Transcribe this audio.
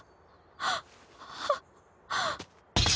あっ。